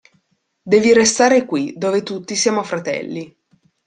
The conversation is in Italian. Devi restare qui, dove tutti siamo fratelli.